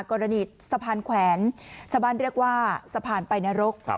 กรณีสะพานแขวนชาวบ้านเรียกว่าสะพานไปนรก